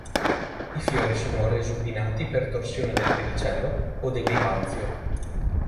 I fiori sono resupinati per torsione del pedicello o dell'ipanzio.